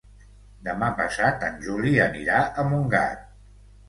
Demà passat en Juli anirà a Montgat.